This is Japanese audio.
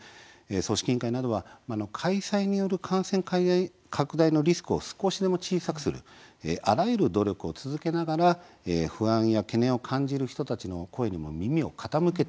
組織委員会などは開催による感染拡大のリスクを少しでも小さくするあらゆる努力を続けながら不安や懸念を感じる人たちの声にも耳を傾けて